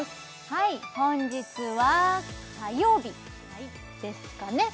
はい本日は火曜日ですかね？